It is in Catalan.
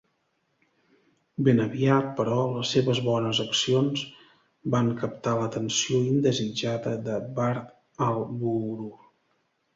Ben aviat, però, les seves bones accions van captar l'atenció indesitjada de Badr Al-Budur.